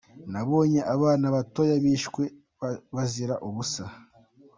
Nabonye abana batoya bishwe bazira ubusa.